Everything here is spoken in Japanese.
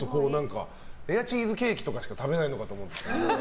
レアチーズケーキとかしか食べないのかと思ってた。